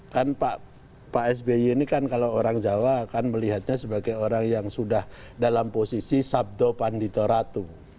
kan pak sby ini kan kalau orang jawa kan melihatnya sebagai orang yang sudah dalam posisi sabdo panditoratu